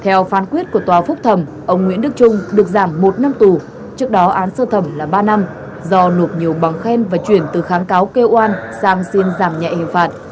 theo phán quyết của tòa phúc thẩm ông nguyễn đức trung được giảm một năm tù trước đó án sơ thẩm là ba năm do nộp nhiều bằng khen và chuyển từ kháng cáo kêu oan sang xin giảm nhẹ hình phạt